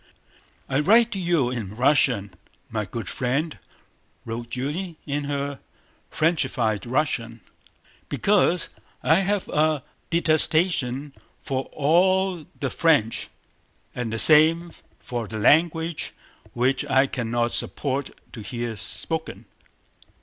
"I write you in Russian, my good friend," wrote Julie in her Frenchified Russian, "because I have a detestation for all the French, and the same for their language which I cannot support to hear spoken....